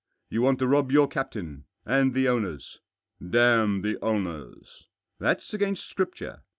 You want to rob your captain — and the owners." " Damn the owners !" "Thafs against Scripture.